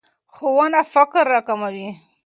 ښوونه فقر راکموي.